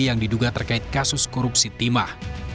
yang diduga terkait kasus korupsi timah